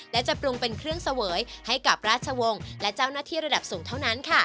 และจะปรุงเป็นเครื่องเสวยให้กับราชวงศ์และเจ้าหน้าที่ระดับสูงเท่านั้นค่ะ